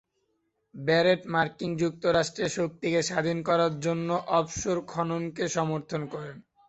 Barrett মার্কিন যুক্তরাষ্ট্রের শক্তিকে স্বাধীন করার জন্য অফশোর খননকে সমর্থন করেন।